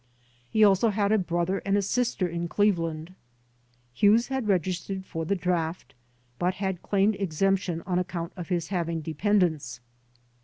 He also had a brother and a sister in Qeve land. Hewes had registered for the draft but had claimed exemption on accotmt of his having dependents.